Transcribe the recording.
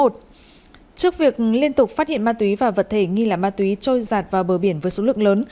trước việc liên tục phát hiện ma túy và vật thể nghi là ma túy trôi giạt vào bờ biển với số lượng lớn